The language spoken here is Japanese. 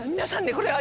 これは。